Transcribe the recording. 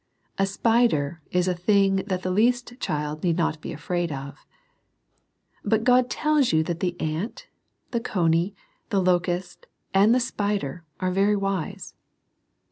A spider is a thing that the least child need not be afraid of. But God tells you that the ant, the cony, the locust, and the spider, are very wise.